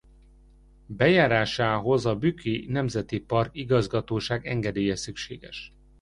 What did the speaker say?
Bejárásához a Bükki Nemzeti Park Igazgatóság engedélye szükséges.